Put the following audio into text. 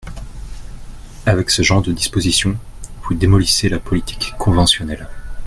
Avec ce genre de dispositions, vous démolissez la politique conventionnelle.